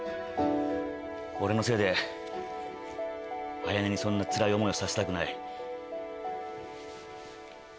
俺のせいで綾音にそんなつらい思いはさせたくない。